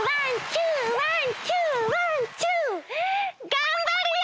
がんばるよ！